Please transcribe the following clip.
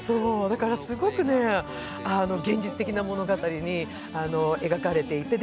だから、すごく現実的な物語に描かれていて。